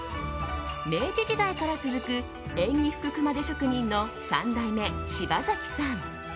明治時代から続く縁起福熊手職人の３代目芝崎さん。